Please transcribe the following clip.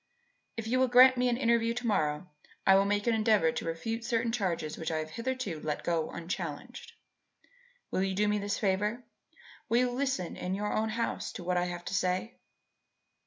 If you will grant me an interview to morrow, I will make an endeavour to refute certain charges which I have hitherto let go unchallenged. Will you do me this favour? Will you listen in your own house to what I have to say?"